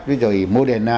với rồi moderna